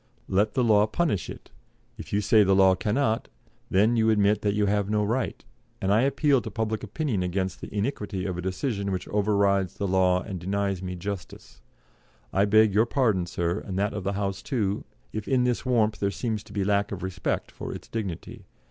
Let the law punish it. If you say the law cannot, then you admit that you have no right, and I appeal to public opinion against the iniquity of a decision which overrides the law and denies me justice. I beg your pardon, sir, and that of the House too, if in this warmth there seems to lack respect for its dignity.